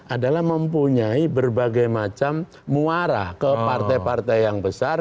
adalah mempunyai berbagai macam muara ke partai partai yang besar